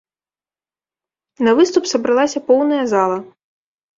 На выступ сабралася поўная зала!